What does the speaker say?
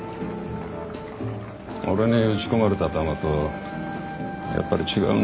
俺に撃ち込まれた弾とやっぱり違うな。